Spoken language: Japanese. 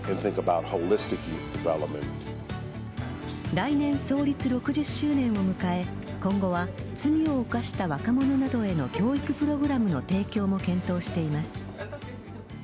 来年、創立６０周年を迎え今後は罪を犯した若者などへの教育プログラムの提供も検討しています。